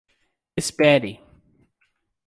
Espere!